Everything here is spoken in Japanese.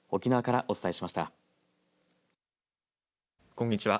こんにちは。